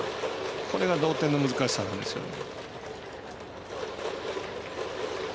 これが同点の難しさなんですよね。